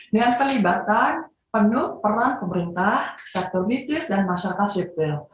dengan pelibatan penuh peran pemerintah sektor bisnis dan masyarakat sipil